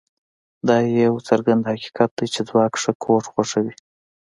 دا یو څرګند حقیقت دی چې ځواک ښه کوډ خوښوي